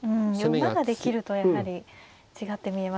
馬ができるとやはり違って見えます。